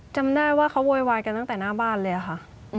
จำได้ว่าเขาโวยวายกันตั้งแต่หน้าบ้านเลยค่ะ